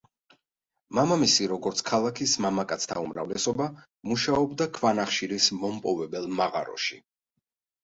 მამამისი, როგორც ქალაქის მამაკაცთა უმრავლესობა, მუშაობდა ქვანახშირის მომპოვებელ მაღაროში.